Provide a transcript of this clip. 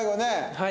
はい。